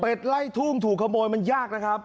ไล่ทุ่งถูกขโมยมันยากนะครับ